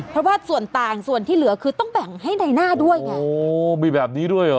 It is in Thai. เพราะว่าส่วนต่างส่วนที่เหลือคือต้องแบ่งให้ในหน้าด้วยไงโอ้มีแบบนี้ด้วยเหรอ